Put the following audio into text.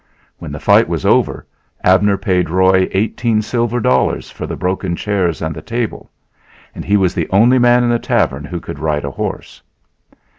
When the fight was over Abner paid Roy eighteen silver dollars for the broken chairs and the table and he was the only man in the tavern who could ride a horse.